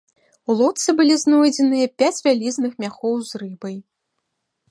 У лодцы былі знойдзеныя пяць вялізных мяхоў з рыбай.